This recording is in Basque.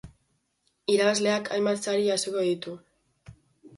Irabazleak hainbat sari jasoko ditu.